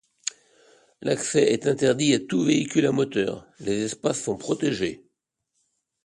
L'accès est interdit à tout véhicule à moteur, les espaces sont protégés.